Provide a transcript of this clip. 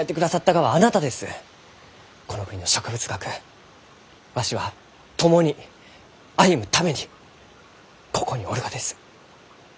この国の植物学わしは共に歩むためにここにおるがです。